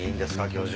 教授。